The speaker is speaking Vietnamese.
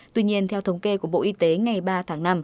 tuy nhiên theo thống kê của bộ y tế ngày ba tháng năm